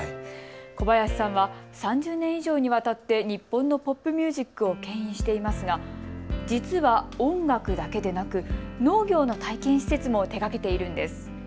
小林さんは３０年以上にわたって日本のポップミュージックをけん引していますが実は音楽だけでなく農業の体験施設も手がけているんです。